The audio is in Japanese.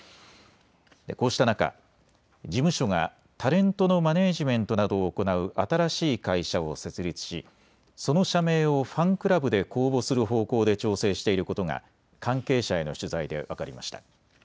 こうした中、事務所がタレントのマネージメントなどを行う新しい会社を設立しその社名をファンクラブで公募する方向で調整していることが関係者への取材で分かりました。